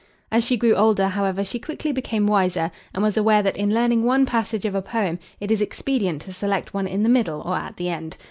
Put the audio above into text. As she grew older, however, she quickly became wiser, and was aware that in learning one passage of a poem it is expedient to select one in the middle, or at the end.